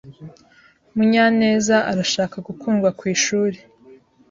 Munyanez arashaka gukundwa kwishuri.